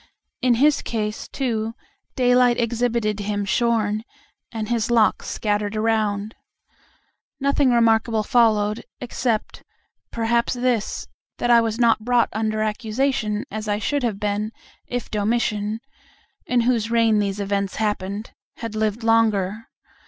In his case, too, daylight exhibited him shorn, and his locks scattered around. Nothing remarkable followed, except, perhaps, this, that I was not brought under accusation, as I should have been, if Domitian (in whose reign these events happened) had lived longer.